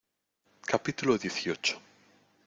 capítulo dieciocho.